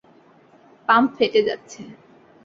Pump ফেটে যাচ্ছে!